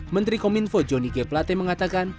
menteri kominfo jonny g plate mengatakan